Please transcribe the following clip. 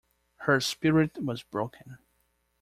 Her spirit was broken.